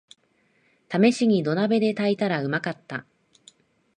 ためしに土鍋で炊いたらうまかった